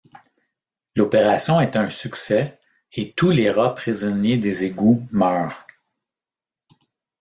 L'opération est un succès et tous les rats prisonniers des égouts meurent.